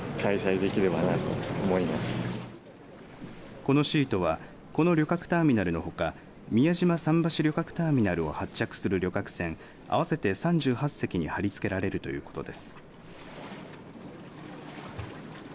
このシートはこの旅客ターミナルのほか宮島桟橋ターミナルを発着する旅客船、合わせて３８隻に貼り付けられるということです。